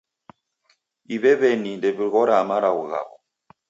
Ew'e w'eni ndewighoragha malagho ghaw'o.